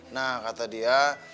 nah kata dia